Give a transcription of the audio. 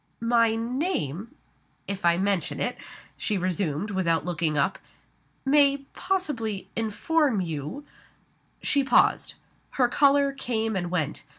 "My name if I mention it," she resumed, without looking up, "may possibly inform you " She paused. Her color came and went.